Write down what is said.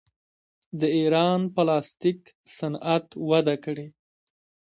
د ایران پلاستیک صنعت وده کړې.